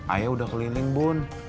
ayah udah keliling bun